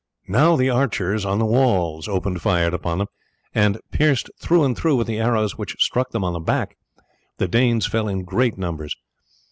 Now the archers on the walls opened fire upon them, and, pierced through and through with the arrows which struck them on the back, the Danes fell in great numbers.